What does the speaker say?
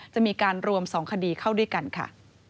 จะมีการรวม๒คดีเข้าด้วยกันค่ะ